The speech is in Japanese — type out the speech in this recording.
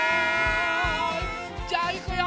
じゃあいくよ。